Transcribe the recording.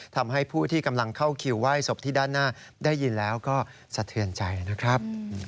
ทำให้ผู้ที่กำลังเข้าคิวไหว้ศพที่ด้านหน้าได้ยินแล้วก็สะเทือนใจนะครับ